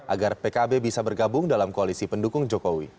agar pkb bisa bergabung dalam koalisi pendukung jokowi